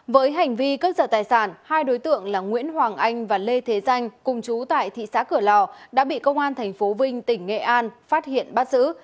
với hành vi cướp giật tài sản hai đối tượng là nguyễn hoàng anh và lê thế danh cùng chú tại thị xã cửa lò đã bị công an tp vinh tỉnh nghệ an phát hiện bắt giữ